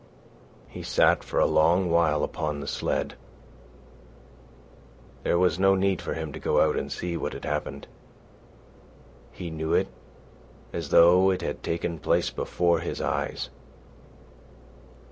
He sat for a long while upon the sled. There was no need for him to go and see what had happened. He knew it as though it had taken place before his eyes.